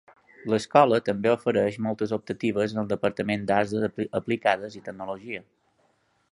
L'escola també ofereix moltes optatives en el departament d'arts aplicades i tecnologia.